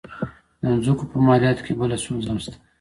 د مځکو په مالیاتو کې بله ستونزه هم شته.